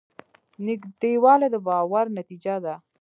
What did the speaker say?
نږدېوالی د باور نتیجه ده.